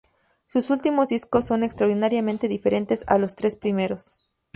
Sus últimos discos son extraordinariamente diferentes a los tres primeros.